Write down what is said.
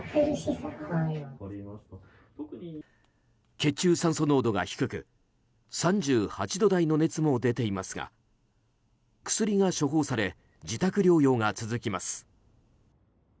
血中酸素濃度が低く３８度台の熱も出ていますが、薬が処方され自宅療養が続きます。